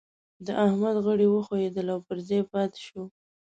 د احمد غړي وښوئېدل او پر ځای پاته شو.